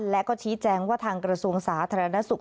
และก็ชี้แจงว่าทางกระทรวงสาธารณสุข